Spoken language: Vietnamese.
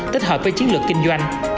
tích hợp với chiến lược kinh doanh